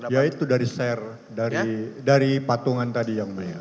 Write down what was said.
yaitu dari share dari patungan tadi yang mulia